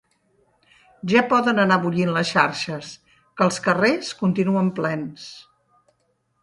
Ja poden anar bullint les xarxes, que els carrers continuen plens.